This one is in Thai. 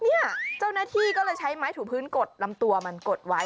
เจ้าหน้าที่ก็เลยใช้ไม้ถูพื้นกดลำตัวมันกดไว้